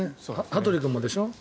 羽鳥君もでしょ？